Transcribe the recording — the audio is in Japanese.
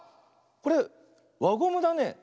これわゴムだね。